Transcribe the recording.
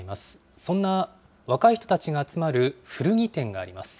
そんな若い人たちが集まる古着店があります。